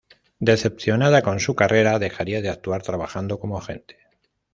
Decepcionada con su carrera, dejaría de actuar trabajando como agente.